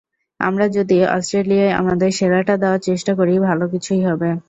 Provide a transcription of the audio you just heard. আমরা যদি অস্ট্রেলিয়ায় আমাদের সেরাটা দেওয়ার চেষ্টা করি, ভালো কিছুই হবে।